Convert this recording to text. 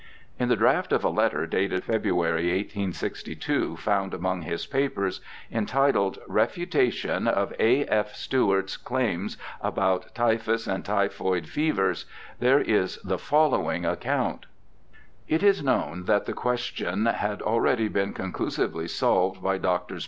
In the draft of a letter dated February, 1862, found among his papers, entitled Refutation of A. F. Stewart's 238 BIOGRAPHICAL ESSAYS Claims about Typhus and Typhoid Fevers, there is the following account :' It is known that the question had already been conclusively solved by Drs.